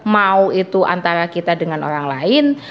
mau itu antara kita dengan orang lain